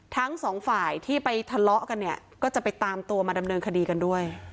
ทั้งสองฝ่ายที่ไปทะเลาะกันเนี่ยก็จะไปตามตัวมาดำเนินคดีกันด้วย